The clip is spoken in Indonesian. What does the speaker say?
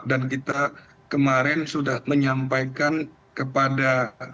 dan kita kemarin sudah menyampaikan kepada